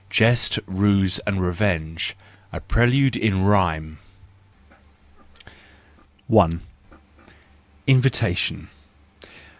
JEST, RUSE AND REVENGE. A PRELUDE IN RHYME. XI I. Invitation